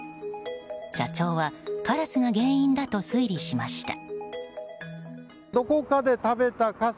社長はカラスが原因だと推理しました。